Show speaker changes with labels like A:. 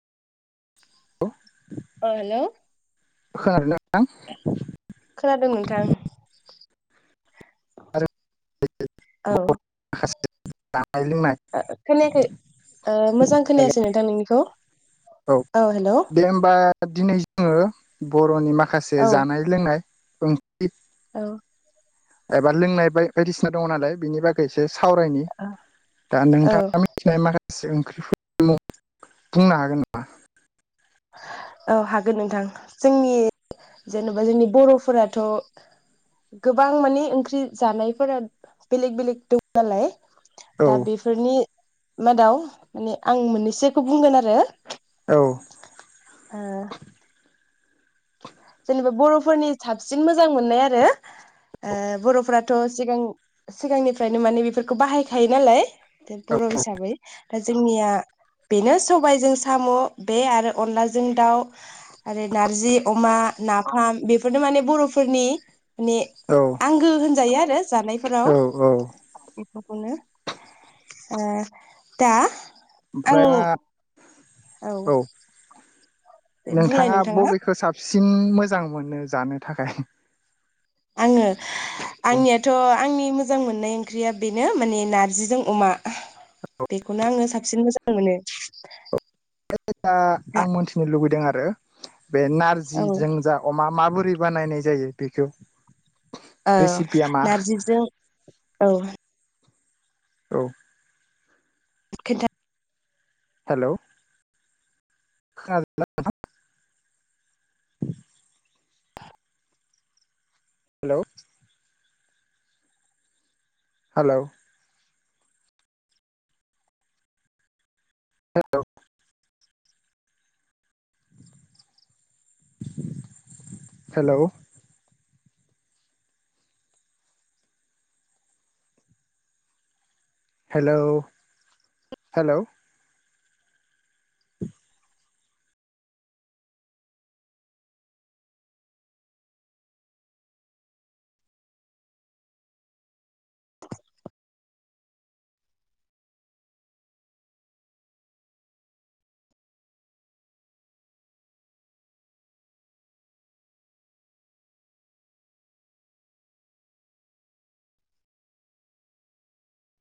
A: अ hello
B: [unintelligible]
A: खोनादों नोंथां औ
B: [unintelligible] जानाय लोंनाय
A: ओ मोजां
B: हेल'
A: खोनायासै नोंथां नोंनिखौ
B: औ दे होमबा दिनै जोङो बर'नि मा खासे
A: औ
B: जानाय लोंनाय [unintelligible]
A: औ
B: एबा लोंनाय बाय-बायदिसिना दङ नालाय बिनि बागै सावरायनि दा
A: औ
B: नोंथाङा मिथिनाय मा खासे [unintelligible] बुंनो हागोन नामा?
A: औ हागोन नोंथां। जोंनि जेनेबा जोंनि बर'फोराथ' गोबां माने ओंख्रि जानायफोरा बेलेग बेलेग दं नालाय।
B: औ
A: दा बेफोरनि मादाव माने आं मोननैसोखौ बुंगोन आरो।
B: औ
A: ओ जेनेबा बर'फोरनि साबसिन मोजां मोननाय आरो ओ बरफोराथ' सिगां सिगांनिफ्रायनो माने बेफोरखौ बाहायखायो नालाय बर' हिसाबै दा जोंनिया बेनो सबायजों साम' बे आरो अनलाजों दाउ आरो नारजि अमा नाफाम बेफोरनो माने बर'फोरनि ने
B: औ
A: आंगो होनजायो आरो जानायफोराव
B: औ औ
A: बेफोरखौनो ओ दा आं
B: ओमफ्राय हा
A: औ दे बुंलाय
B: नोंथाङा बबेखौ साबसिन मोजां मोनो जानो थाखाय?
A: आङो आंनियाथ' आंनि मो जां मोननाय ओंख्रिया बेनो माने नारजिजों अमा। बेखौनो आङो साब सिन मोजां मोनो।
B: [unintelligible]
A: दा
B: आं मोनथिनो लुबैदों आरो बे
A: औ
B: नारजि जोंजा अमा माबोरै बानायनाय जायो बेखौ?
A: औ
B: रेसिपिया मा
A: नारजिजों औ
B: औ
A: खोन
B: hello [unintelligible] hello hello [unintelligible] hello hello hello [unintelligible]